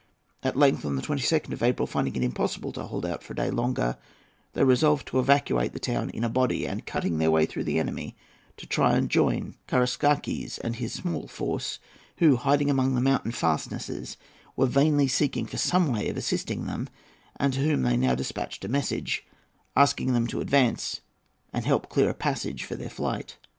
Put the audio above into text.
At length, on the 22nd of April, finding it impossible to hold out for a day longer, they resolved to evacuate the town in a body, and, cutting their way through the enemy, to try to join Karaïskakes and his small force, who, hiding among the mountain fastnesses, were vainly seeking for some way of assisting them, and to whom they now despatched a message, asking them to advance and help to clear a passage for their flight.